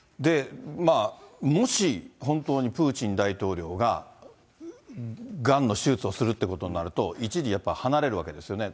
もし本当にプーチン大統領ががんの手術をするっていうことになると、一時やっぱり離れるわけですよね。